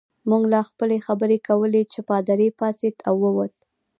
موږ لا خپلې خبرې کولې چې پادري پاڅېد او ووت.